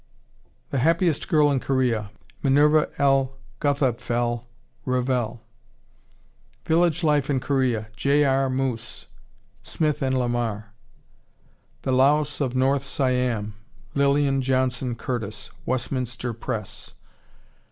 The Happiest Girl in Korea, Minerva L. Guthapfel, (Revell.) Village Life in Korea, J. R. Moose, (Smith & Lamar.) The Laos of North Siam, Lilian Johnson Curtis, (Westminster Press.)